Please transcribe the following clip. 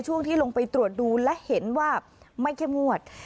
ช่วงที่ลงไปตรวจดูและเห็นว่าไม่เข้มงวด